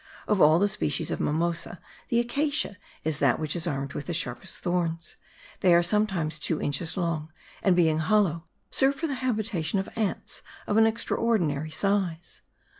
Of all the species of mimosa the acacia is that which is armed with the sharpest thorns; they are sometimes two inches long; and being hollow, serve for the habitation of ants of an extraordinary size.